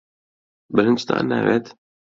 برنجتان ناوێت؟